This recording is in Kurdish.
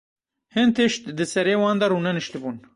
Hin tişt di serê wan de rûneniştibûn.